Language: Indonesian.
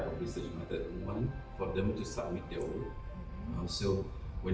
oke di raffles college kita memiliki apa yang membuat kita berbeda dari desain lain adalah metode penelitian kita